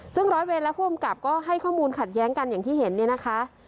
ซึ่งร้อยเวรและผู้กำกับก็ให้ข้อมูลขัดแย้งกันอย่างที่เห็นเนี่ยนะคะ